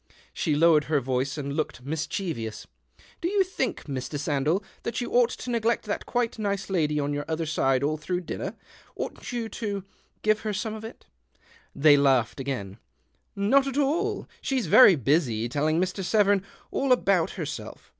Slie lowered her voice and looked mis chievous. " Do you think, Mr. Sandell, that you ought to neglect that quite nice lady on your other side all through dinner ? Oughtn't you to — to — give her some of it ?" They laughed again. " Not at all, she's very busy, telling Mr. Severn all about herself.